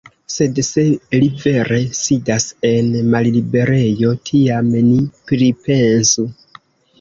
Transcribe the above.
Sed se li vere sidas en malliberejo, tiam ni pripensu.